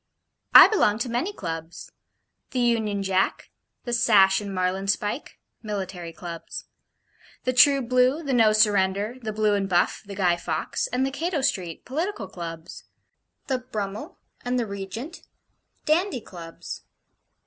I belong to many Clubs. The 'Union Jack,' the 'Sash and Marlin spike' Military Clubs. 'The True Blue,' the 'No Surrender,' the 'Blue and Buff,' the 'Guy Fawkes,' and the 'Cato Street' Political Clubs. 'The Brummel' and the 'Regent' Dandy Clubs.